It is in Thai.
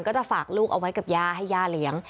ก็จะฝากลูกเอาไว้กับย่าให้ย่าเลี้ยง